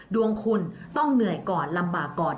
ดวงคุณต้องเหนื่อยก่อนลำบากก่อน